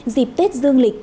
dịp tết dương lịch